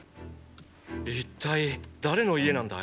一体誰の家なんだい？